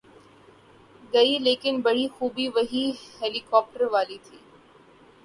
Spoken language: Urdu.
گی‘ لیکن بڑی خوبی وہی ہیلی کاپٹر والی تھی۔